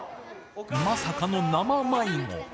まさかの生迷子。